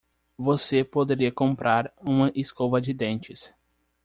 Você poderia comprar uma escova de dentes.